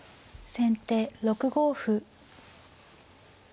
先手６五歩。